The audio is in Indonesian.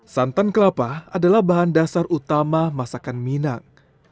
santan kelapa adalah bahan dasar utama masakan minang